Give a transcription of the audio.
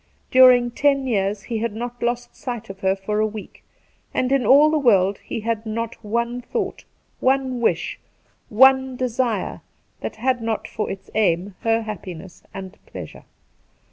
During ten years he had not lost sight of her for a week, and in all the world he had not one thought, one wish, one desire, that had not for its aim her happiness and pleasure.